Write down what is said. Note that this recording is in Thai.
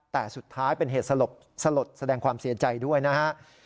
แต่สุดท้ายเป็นเหตุสลดแสดงความเสียใจด้วยนะฮะ